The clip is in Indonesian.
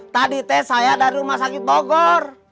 tadi tes saya dari rumah sakit bogor